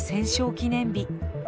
記念日。